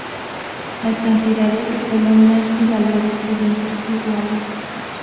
Las cantidades de columnas y valores deben ser iguales.